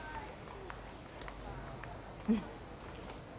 うん。